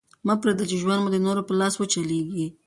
مه پرېږده، چي ژوند مو د نورو په لاس وچلېږي.